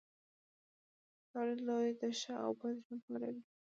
دا لیدلوری د ښه او بد ژوند په اړه وي.